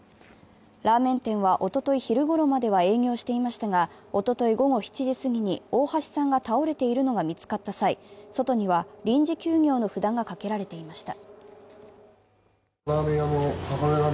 ラーメン店はおととい昼ごろまでは営業していましたがおととい午後７時すぎに、大橋さんが倒れているのが見つかった際、外には臨時休業の札がかけられていました。